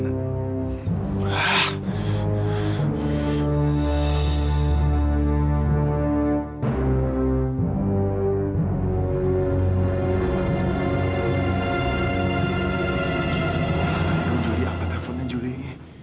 apa telfonnya julie